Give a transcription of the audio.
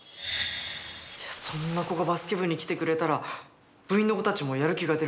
いやそんな子がバスケ部に来てくれたら部員の子たちもやる気が出るな。